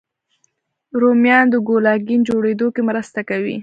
رومیان د کولاګین جوړېدو کې مرسته کوي